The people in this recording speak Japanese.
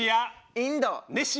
インド。